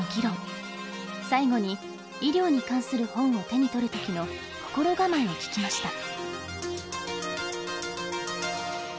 最後に医療に関する本を手に取るときの心構えを聞きました。